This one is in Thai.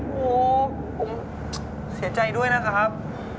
โอ้โหผมเสียใจด้วยนะครับ